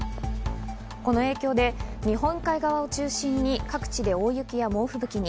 この影響で日本海側を中心に各地で大雪や猛吹雪に。